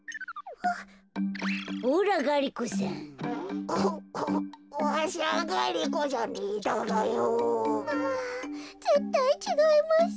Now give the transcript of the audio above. はぁぜったいちがいます。